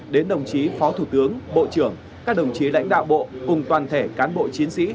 đến đồng chí phó thủ tướng bộ trưởng các đồng chí lãnh đạo bộ cùng toàn thể cán bộ chiến sĩ